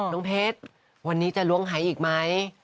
น้องเพชรวันนี้จะล้วงหายอีกไหม